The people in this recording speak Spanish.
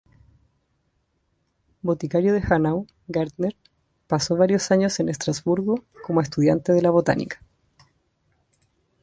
Boticario de Hanau, Gaertner pasó varios años en Estrasburgo como estudiante de la botánica.